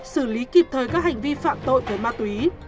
quản lý kịp thời các hành vi phạm tội với ma túy